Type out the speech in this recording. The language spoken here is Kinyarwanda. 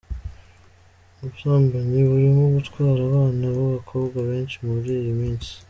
Ubusambanyi burimo gutwara abana b’abakobwa benshi muli iyi minsi.